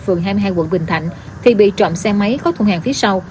phường hai mươi hai quận bình thạnh thì bị trộm xe máy có thu hàng phía sau